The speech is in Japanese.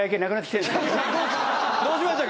どうしました？